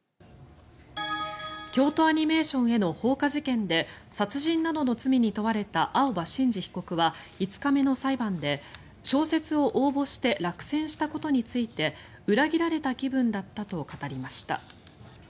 京都アニメーションへの放火事件で殺人などの罪に問われた青葉真司被告は５日目の裁判で、小説を応募して落選したことについて裏切られた気分だったと語りました。